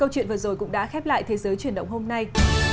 câu chuyện vừa rồi cũng đã khép lại thế giới chuyển động hôm nay